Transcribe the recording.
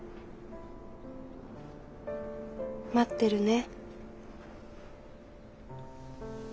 待ってるね。